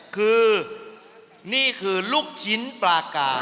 คือนี่คือลูกชิ้นปลากา